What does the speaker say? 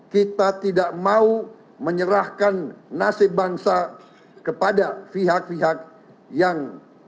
kita tidak mau menyerahkan nasib bangsa kepada pihak pihak yang